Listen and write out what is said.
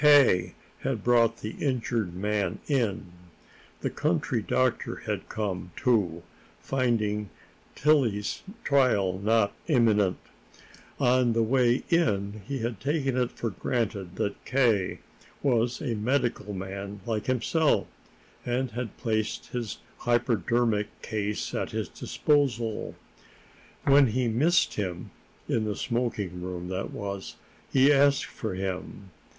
K. had brought the injured man in. The country doctor had come, too, finding Tillie's trial not imminent. On the way in he had taken it for granted that K. was a medical man like himself, and had placed his hypodermic case at his disposal. When he missed him, in the smoking room, that was, he asked for him.